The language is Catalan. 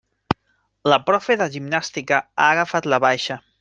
La profe de gimnàstica ha agafat la baixa.